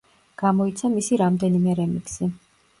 გამოიცა მისი რამდენიმე რემიქსი.